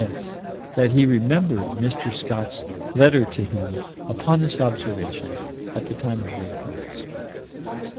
S.: that he remembered Mr. Scott's letter to him upon this observation, at the time of the occurrence.